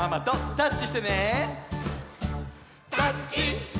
「タッチ！」